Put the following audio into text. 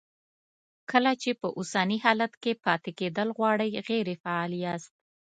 کله چې په اوسني حالت کې پاتې کېدل غواړئ غیر فعال یاست.